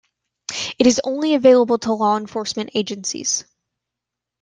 It is only available to law enforcement agencies.